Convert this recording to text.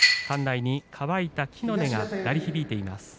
館内に乾いた柝きの音が鳴り響いています。